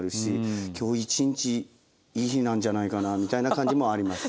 今日１日いい日なんじゃないかなみたいな感じもあります。